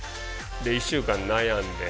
１週間悩んで。